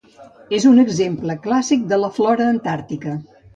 És un exemple clàssic de la flora antàrtica.